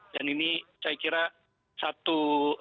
dan ini saya kira satu